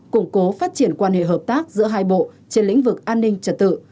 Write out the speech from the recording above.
củng cố phát triển quan hệ hợp tác giữa hai bộ trên lĩnh vực an ninh trật tự